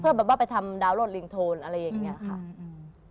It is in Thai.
เพื่อแบบว่าไปทำดาวนโลดลิงโทนอะไรอย่างนี้ค่ะ